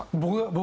僕？